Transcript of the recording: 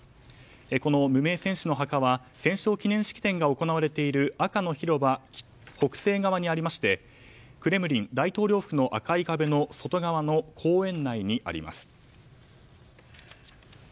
この無名戦士の墓は戦勝記念式典が行われている赤の広場の北西側にありましてクレムリン大統領府の赤い壁の外側の公園内にあります。